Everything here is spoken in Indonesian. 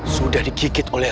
sudah digigit oleh